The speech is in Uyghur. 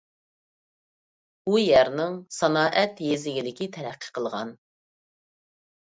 ئۇ يەرنىڭ سانائەت، يېزا ئىگىلىكى تەرەققىي قىلغان.